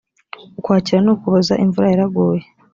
ukwakira nu ukuboza imvura yaraguye